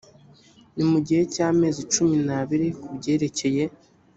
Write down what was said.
ni mu gihe cy amezi cumi n abiri ku byerekeye